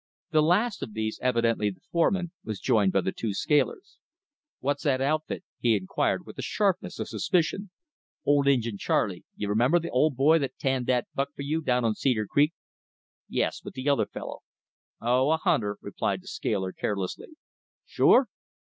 The last of these, evidently the foreman, was joined by the two scalers. "What's that outfit?" he inquired with the sharpness of suspicion. "Old Injin Charley you remember, the old boy that tanned that buck for you down on Cedar Creek." "Yes, but the other fellow." "Oh, a hunter," replied the scaler carelessly. "Sure?"